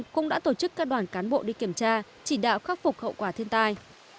cũng đã tổ chức các đoàn cán bộ đi kiểm tra chỉ đạo khắc phục hậu quả thiên tai